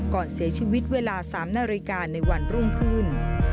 ก่อนเสียชีวิตเวลา๓นาฬิกาในวันรุ่งขึ้น